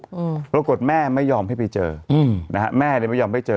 อืมปรากฏแม่ไม่ยอมให้ไปเจออืมนะฮะแม่เลยไม่ยอมให้เจอ